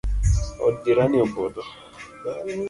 Od jirani opodho